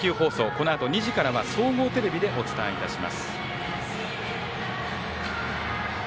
このあと２時からは総合テレビでお伝えします。